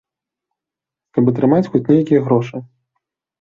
Каб атрымаць хоць нейкія грошы.